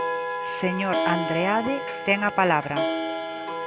Señor Andreade, ten a palabra.